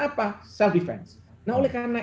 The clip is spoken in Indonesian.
apa self defense nah oleh karena